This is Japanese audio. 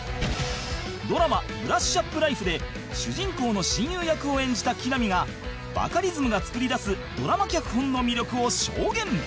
ドラマ『ブラッシュアップライフ』で主人公の親友役を演じた木南がバカリズムが作り出すドラマ脚本の魅力を証言